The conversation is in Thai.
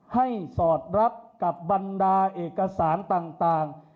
สอดรับกับบรรดาเอกสารต่าง